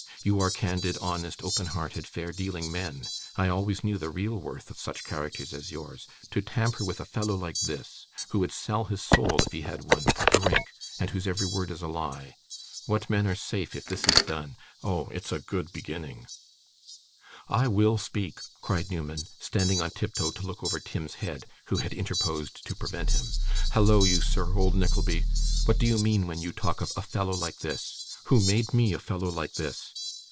You are candid, honest, open hearted, fair dealing men! I always knew the real worth of such characters as yours! To tamper with a fellow like this, who would sell his soul (if he had one) for drink, and whose every word is a lie. What men are safe if this is done? Oh, it's a good beginning!' 'I WILL speak,' cried Newman, standing on tiptoe to look over Tim's head, who had interposed to prevent him. 'Hallo, you sir old Nickleby! what do you mean when you talk of "a fellow like this"? Who made me "a fellow like this"?